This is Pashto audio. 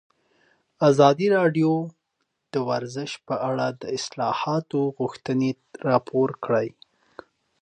ازادي راډیو د ورزش په اړه د اصلاحاتو غوښتنې راپور کړې.